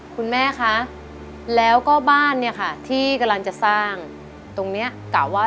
คุณแม่คะแล้วก็บ้านเนี่ยค่ะที่กำลังจะสร้างตรงนี้กล่าวว่า